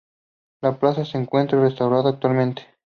La plaza se encuentra restaurada actualmente.